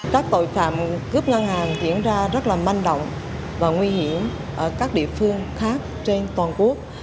các tội phạm cướp ngân hàng diễn ra rất là manh động và nguy hiểm ở các địa phương khác trên toàn quốc